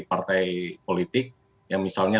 partai politik yang misalnya